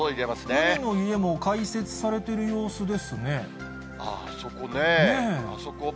海の家も開設されてる様子でああ、あそこね。